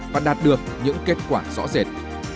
và đạt được những kết quả rõ rệt